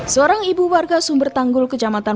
seorang ibu warga sumber tanggul kecamatan